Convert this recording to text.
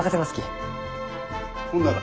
ほんなら。